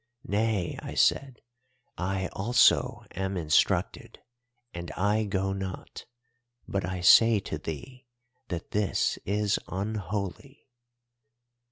"'Nay,' I said. 'I also am instructed, and I go not. But I say to thee that this is unholy.